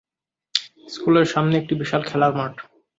স্কুলের সামনে একটি বিশাল খেলার মাঠ।